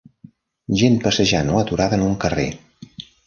Gent passejant o aturada en un carrer.